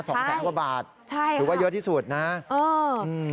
สองแสนกว่าบาทหรือว่าเยอะที่สุดนะเออครับใช่ใช่